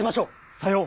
さよう。